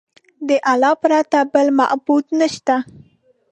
د الله پرته بل معبود نشته.